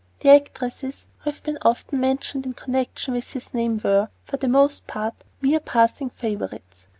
The actresses who have been often mentioned in connection with his name were, for the most part, mere passing favorites.